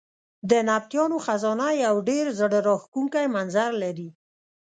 د نبطیانو خزانه یو ډېر زړه راښکونکی منظر لري.